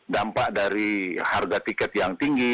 dampak dari harga tiket yang tinggi